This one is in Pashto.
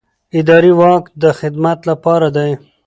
اداري واک د خدمت لپاره دی.